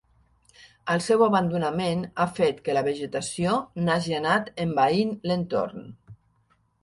El seu abandonament ha fet que la vegetació n'hagi anat envaint l'entorn.